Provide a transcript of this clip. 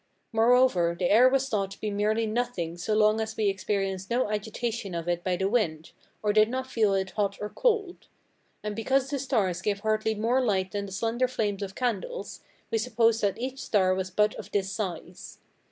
Moreover, the air was thought to be merely nothing so long as we experienced no agitation of it by the wind, or did not feel it hot or cold. And because the stars gave hardly more light than the slender flames of candles, we supposed that each star was but of this size.